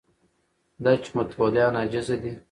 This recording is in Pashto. دا چې متولیان عاجزه دي